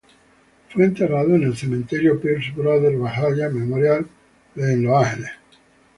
Fue enterrado en el Cementerio Pierce Brothers Valhalla Memorial Park de Los Ángeles.